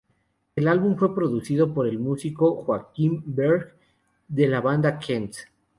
El álbum fue producido por el músico Joakim Berg de la banda Kent.